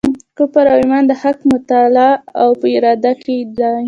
کفر او ایمان د حق متعال په اراده کي دی.